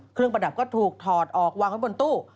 ประดับก็ถูกถอดออกวางไว้บนตู้